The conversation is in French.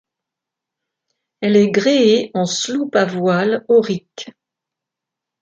Elle est gréée en sloop à voile aurique.